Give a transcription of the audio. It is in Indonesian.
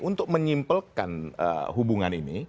untuk menyimpelkan hubungan ini